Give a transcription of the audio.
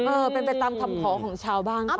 เออเป็นไปตามคำขอของชาวบ้าน